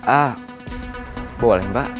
ah boleh mbak